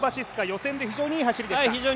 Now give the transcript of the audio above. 予選で非常にいい走りでした。